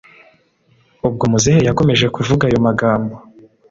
ubwo muzehe yakomeje kuvuga ayo magambo